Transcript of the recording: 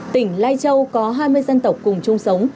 tỉnh lai châu có hai mươi dân tộc cùng chung sống